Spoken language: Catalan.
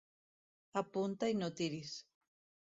Apunta i no tiris.